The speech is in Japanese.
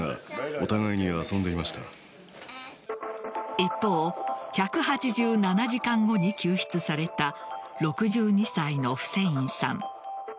一方１８７時間後に救出された６２歳のフセインさん。